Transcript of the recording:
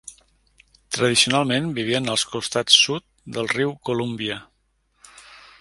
Tradicionalment vivien als costats sud del riu Columbia.